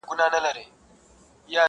فخر په ښکلا دي ستا د خپل وجود ښکلا کوي,